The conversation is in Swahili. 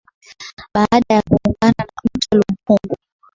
Baada ya kuungana na Mto Lumpungu